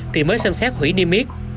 thì mới xem xét hủy niêm yếp